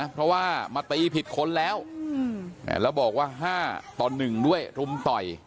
เพราะว่ามาตีผิดคนแล้วแล้วบอกว่า๕ต่อ๑ด้วยรุมต่อย